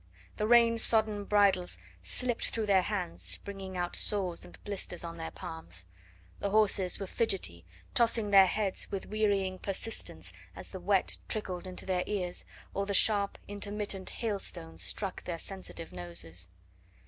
The rain sodden bridles slipped through their hands, bringing out sores and blisters on their palms; the horses were fidgety, tossing their heads with wearying persistence as the wet trickled into their ears, or the sharp, intermittent hailstones struck their sensitive noses.